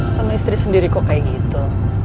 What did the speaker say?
sama istri sendiri kok kayak gitu